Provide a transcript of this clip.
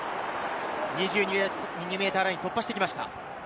２２ｍラインを突破してきました。